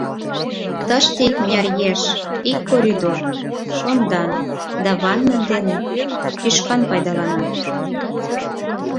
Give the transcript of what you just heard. Тыште икмыняр еш ик коридор, шондан да ванне дене тӱшкан пайдалана.